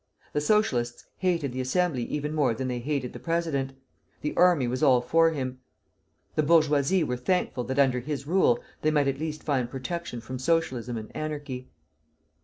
The Socialists hated the Assembly even more than they hated the president. The army was all for him. The bourgeoisie were thankful that under his rule they might at least find protection from Socialism and anarchy.